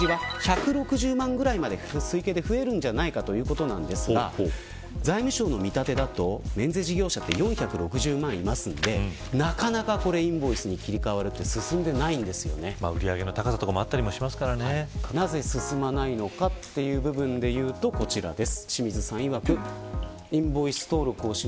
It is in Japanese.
今後さらにこの数字は１６０万くらいまで増えるんじゃないかということなんですが財務省の見立てだと免税事業者は４６０万もいるのでなかなかインボイスに切り替わりが売り上げの高さもなぜ進まないかというとこちらです。